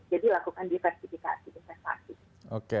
jadi lakukan diversifikasi diversifikasi